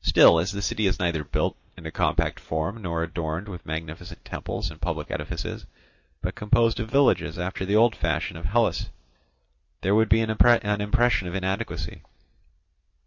Still, as the city is neither built in a compact form nor adorned with magnificent temples and public edifices, but composed of villages after the old fashion of Hellas, there would be an impression of inadequacy.